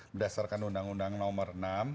berdasarkan undang undang nomor enam